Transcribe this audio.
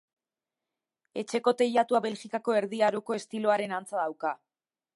Etxeko teilatua Belgikako Erdi Aroko estiloaren antza dauka.